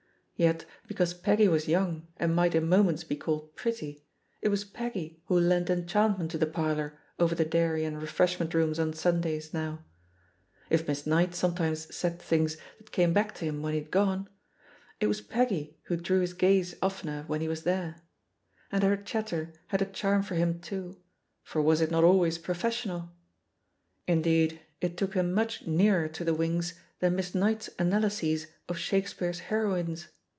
Yet, because Peggy was young, and might in moments be called pretty, it was Peggy who, lent enchantment to the parlour over the dairy and refreshment rooms on Sundays now. If Miss Ejiighit sometimes said things that came back to him when he had gone, it was Peggy who drew his gaze oftener when he was there. And her chatter had a charm for him too, for was it not always professional! Indeed, it took him much nearer to the wings than Miss Ejiight's analyses of Shakespeare's heroines.